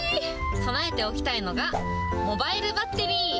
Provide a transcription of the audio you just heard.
備えておきたいのが、モバイルバッテリー。